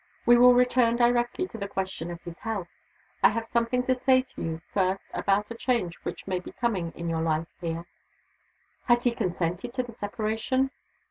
We will return directly to the question of his health. I have something to say to you, first, about a change which may be coming in your life here." "Has he consented to the separation?"